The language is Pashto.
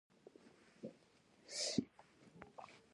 ایا ستاسو کمپله به ګرمه نه وي؟